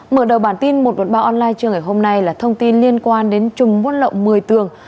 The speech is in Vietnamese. mở đầu bản tin một trăm một mươi ba online trưa ngày hôm nay là thông tin liên quan đến trùng bút lậu một mươi tường